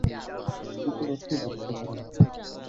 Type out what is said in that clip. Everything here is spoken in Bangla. বিপুল অর্থই বরাদ্দ করা হল।